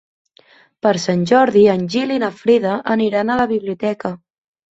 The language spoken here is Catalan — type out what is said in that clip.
Per Sant Jordi en Gil i na Frida aniran a la biblioteca.